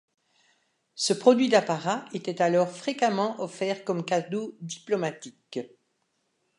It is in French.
Ce produit d'apparat était alors fréquemment offert comme cadeau diplomatique.